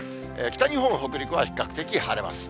北日本、北陸は比較的晴れます。